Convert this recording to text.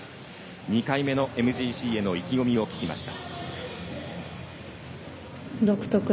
２回目のＭＧＣへの意気込みを聞きました。